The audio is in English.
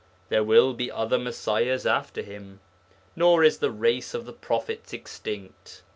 There will be other Messiahs after Him, nor is the race of the prophets extinct.